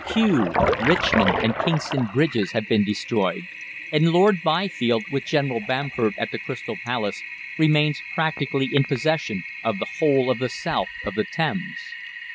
Kew, Richmond, and Kingston Bridges have been destroyed, and Lord Byfield, with General Bamford at the Crystal Palace, remains practically in possession of the whole of the south of the Thames.